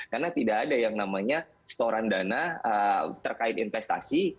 karena tidak ada yang namanya storan dana terkait investasi